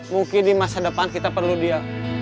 mungkin di masa depan kita perlu dia